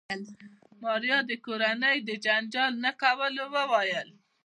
ماريا د کورنۍ د جنجال نه کولو وويل.